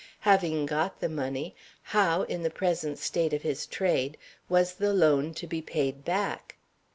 Having got the money, how, in the present state of his trade, was the loan to be paid back?